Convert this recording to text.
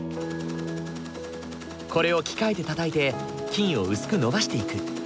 これを機械でたたいて金を薄く延ばしていく。